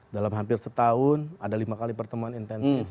dalam hampir setahun ada lima kali pertemuan intensif